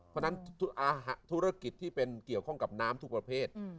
เพราะฉะนั้นธุรกิจที่เป็นเกี่ยวข้องกับน้ำทุกประเภท